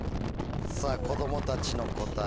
子供たちの答え